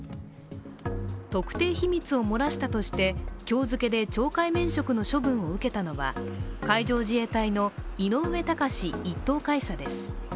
特定秘密を漏らしたとして今日付で懲戒免職の処分を受けたのは海上自衛隊の井上高志１等海佐です。